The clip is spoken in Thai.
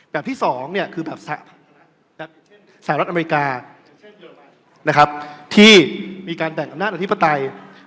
แบบที่สองแสหรัฐอเมริกาที่มีการแบ่งอำนาจอธิภัตราย